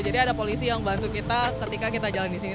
jadi ada polisi yang bantu kita ketika kita jalan di sini